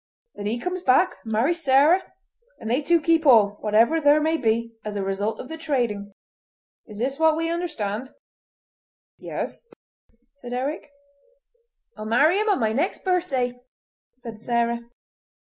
Then he comes back and marries Sarah, and they two keep all, whatever there may be, as the result of the trading. Is this what we understand?" "Yes," said Eric. "I'll marry him on my next birthday," said Sarah.